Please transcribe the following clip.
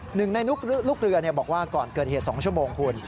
หนึ่งในลูกเรือบอกว่าก่อนเกิดเหตุ๒ชั่วโมงคุณ